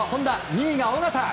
２位が小方。